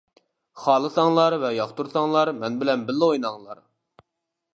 خالىساڭلار ۋە ياقتۇرساڭلار مەن بىلەن بىللە ئويناڭلار.